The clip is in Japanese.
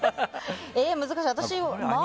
難しいな。